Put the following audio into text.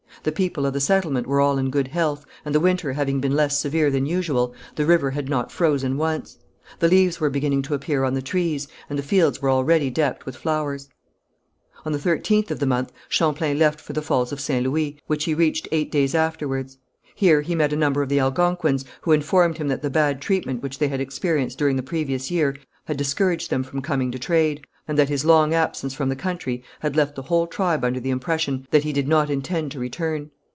The people of the settlement were all in good health, and the winter having been less severe than usual, the river had not frozen once. The leaves were beginning to appear on the trees, and the fields were already decked with flowers. On the 13th of the month Champlain left for the Falls of St. Louis, which he reached eight days afterwards. Here he met a number of the Algonquins, who informed him that the bad treatment which they had experienced during the previous year had discouraged them from coming to trade, and that his long absence from the country had left the whole tribe under the impression that he did not intend to return.